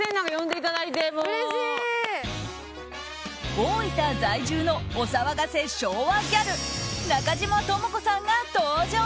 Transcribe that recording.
大分在住のお騒がせ昭和ギャル中島知子さんが登場！